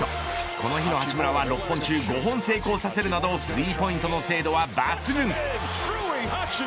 この日の八村は６本中５本成功させるなどスリーポイントの精度は抜群。